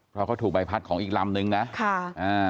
เพราะเขาถูกใบพัดของอีกลำนึงนะค่ะอ่า